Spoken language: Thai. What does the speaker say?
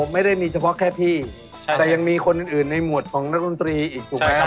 ไม่ได้มีเฉพาะแค่พี่แต่ยังมีคนอื่นในหมวดของนักดนตรีอีกถูกไหมครับ